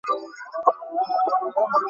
আপনি একজন বিবাহিত পুরুষ, ব্লুম।